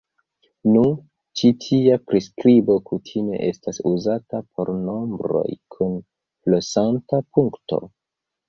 Nun ĉi tia priskribo kutime estas uzata por nombroj kun flosanta punkto.